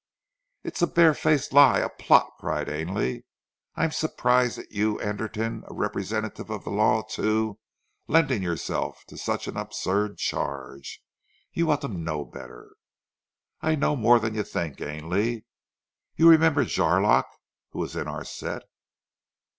"It's a barefaced lie! A plot!" cried Ainley. "I'm surprised at you, Anderton a representative of the law too lending yourself to such an absurd charge. You ought to know better." "I know more than you think, Ainley. You remember Jarlock who was in our set